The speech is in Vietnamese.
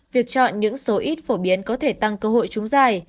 việc chọn những số ít phổ biến có thể tăng cơ hội trúng dài